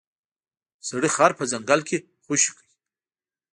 سړي خر په ځنګل کې خوشې کړ.